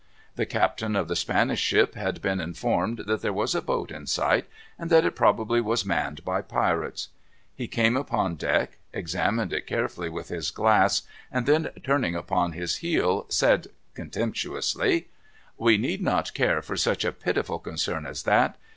The captain of the Spanish ship had been informed that there was a boat in sight, and that it probably was manned by pirates. He came upon deck, examined it carefully with his glass, and then, turning upon his heel, said contemptuously: "We need not care for such a pitiful concern as that.